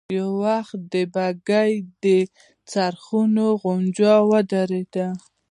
يو وخت د بګۍ د څرخونو غنجا ودرېده.